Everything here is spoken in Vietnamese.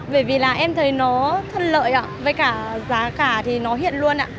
bởi vì là em thấy nó thân lợi ạ với cả giá cả thì nó hiện luôn ạ